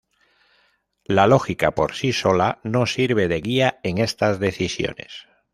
La lógica por sí sola no sirve de guía en estas decisiones.